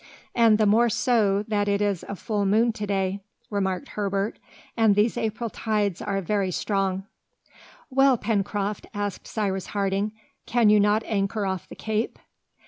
"And the more so that it is a full moon to day," remarked Herbert, "and these April tides are very strong." "Well, Pencroft," asked Cyrus Harding, "can you not anchor off the Cape?"